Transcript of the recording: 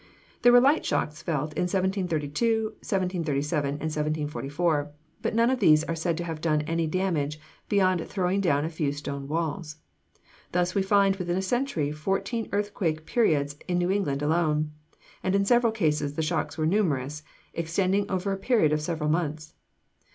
There were light shocks felt in 1732, 1737 and 1744; but none of these are said to have done any damage beyond throwing down a few stone walls. Thus we find within a century fourteen earthquake periods in New England alone; and in several cases the shocks were numerous, extending over a period of several months.